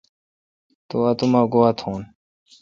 تو اتوما گوا تھون۔